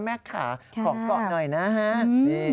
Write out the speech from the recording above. แม่ขาขอเกาะหน่อยนะครับนี่ครับ